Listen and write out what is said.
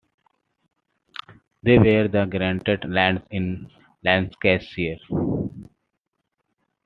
They were granted lands in Lancashire.